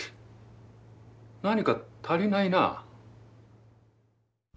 何か足りないなあ。